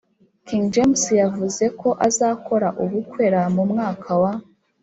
king james yavuzeko azakora ubukwera mu mwaka wa